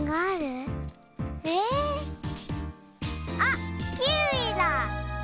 あっキウイだ！